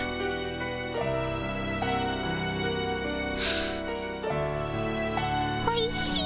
あおいしい。